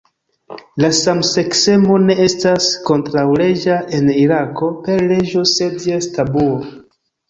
La samseksemo ne estas kontraŭleĝa en Irako per leĝo, sed jes tabuo.